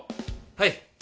はい。